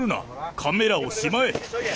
カメラをしまえ。